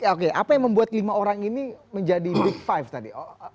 oke apa yang membuat lima orang ini menjadi big five tadi